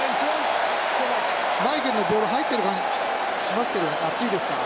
マイケルのボール入ってる感じしますけどね厚いですから。